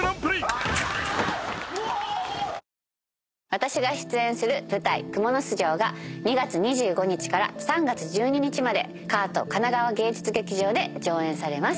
私が出演する舞台『蜘蛛巣城』が２月２５日から３月１２日までＫＡＡＴ神奈川芸術劇場で上演されます。